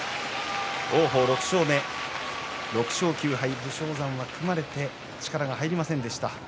王鵬６勝目、６勝９敗武将山は組まれて力が入りませんでした。